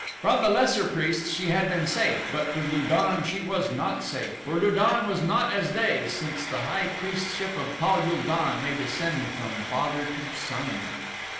From the lesser priests she had been safe, but from Lu don, she was not safe, for Lu don was not as they, since the high priestship of Pal ul don may descend from father to son.